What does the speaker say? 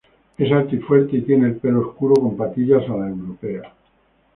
Es alto y fuerte y tiene el pelo oscuros con patillas a la europea.